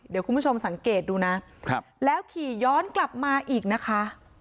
เดี๋ยวคุณผู้ชมสังเกตดูนะแล้วขี่ย้อนกลับมาอีกนะคะ